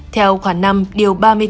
theo khoảng năm điều ba mươi tám